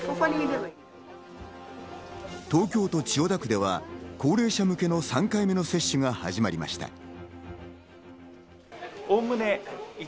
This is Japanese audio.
東京都千代田区では高齢者向けの３回目の接種が始まりました。